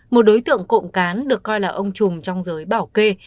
một đối tượng cộng cán được coi là ông chùm trong giới bảo kê